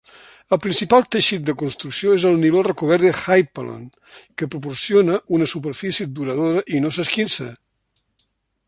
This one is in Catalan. El principal teixit de construcció és el niló recobert de Hypalon, que proporciona una superfície duradora i no s'esquinça.